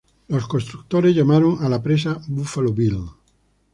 Los constructores llamaron a la presa Buffalo Bill.